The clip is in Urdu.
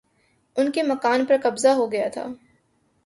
ان کے مکان پر قبضہ ہو گیا تھا